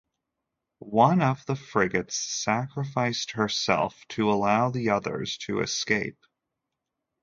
One of the frigates sacrificed herself to allow the others to escape.